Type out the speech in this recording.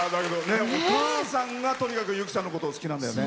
お母さんがとにかく由紀さんのこと好きなんだよね。